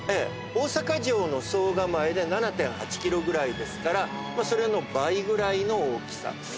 大阪城の総構えで７．８ｋｍぐらいですからそれの倍ぐらいの大きさ。